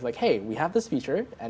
seperti kita punya fitur ini